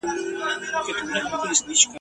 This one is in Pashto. خو نصیب به دي وي اوښکي او د زړه درد رسېدلی !.